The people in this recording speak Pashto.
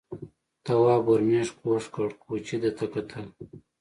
تواب ور مېږ کوږ کړ، کوچي ده ته کتل.